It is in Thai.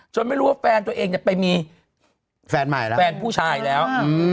จนไม่รู้ว่าแฟนตัวเองจะไปมีแฟนใหม่แฟนผู้ชายแล้วอึม